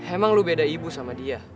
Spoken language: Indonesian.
emang lo beda ibu sama dia